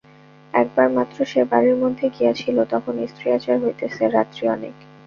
একবার মাত্র সে বাড়ির মধ্যে গিয়াছিল, তখন স্ত্রী-আচার হইতেছে, রাত্রি অনেক!